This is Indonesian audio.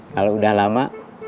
kalau udah lama